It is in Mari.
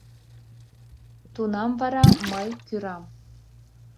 Тунам вара мый кӱрам.